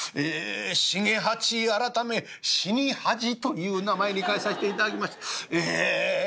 『茂八』改め『死に恥』という名前に変えさせて頂きましてええ